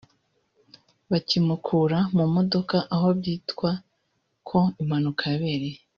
*Bakimukura mu modoka aho byitwa ko impanuka yabereye